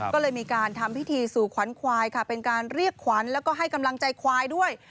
ก็เลยมีการทำพิธีสู่ขวัญควายค่ะเป็นการเรียกขวัญแล้วก็ให้กำลังใจควายด้วย